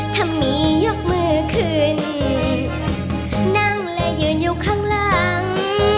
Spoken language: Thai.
ถ้ามียกมือขึ้นนั่งและยืนอยู่ข้างหลัง